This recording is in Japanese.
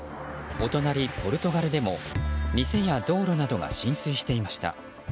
お隣、ポルトガルでも店や道路が浸水していました。